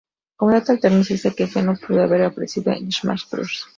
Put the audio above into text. Como dato alterno, se dice que Geno pudo haber aparecido en Smash Bros.